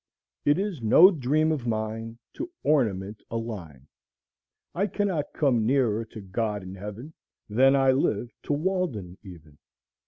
It is no dream of mine, To ornament a line; I cannot come nearer to God and Heaven Than I live to Walden even.